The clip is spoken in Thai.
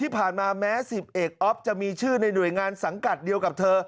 แม้๑๐เอกอ๊อฟจะมีชื่อในหน่วยงานสังกัดเดียวกับเธอ